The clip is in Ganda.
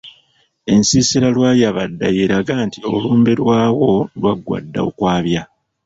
Ensiisira Lwayabadda y’eraga nti olumbe lwawo lwaggwa okwabya.